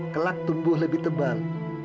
kelak tumbuh lebih tebal